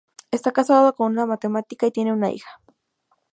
Está casado con una matemática y tiene una hija.